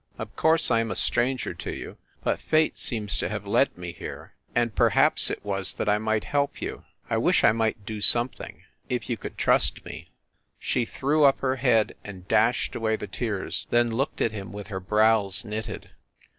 Of course I am a stranger to you, but Fate seems to have led me here, and perhaps it was that I might help you. I wish I might do some thing if you could trust me." THE SUITE AT THE PLAZA 125 She threw up her head and dashed away the tears, then looked at him with her brows knitted.